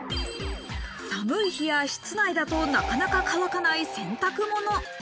寒い日や室内だとなかなか乾かない洗濯物。